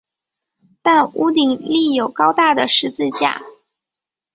但屋顶立有高大的十字架。